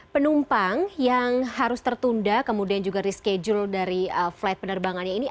penumpang yang harus tertunda kemudian juga reschedule dari flight penerbangannya ini